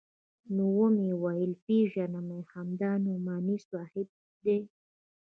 نو ومې ويل پېژنم يې همدا نعماني صاحب دى.